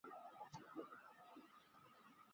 球队的进步十分明显。